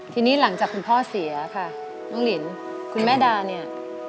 ทีนี้หลังจากคุณพ่อเสียค่ะน้องลินคุณแม่ดาเนี่ย